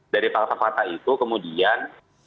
dari fakta fakta itu kemudian